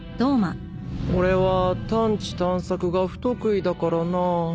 俺は探知探索が不得意だからなぁ。